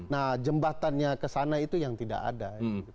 nah jembatannya ke sana itu yang tidak ada